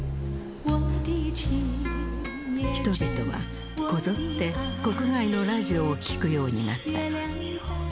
人々はこぞって国外のラジオを聴くようになった。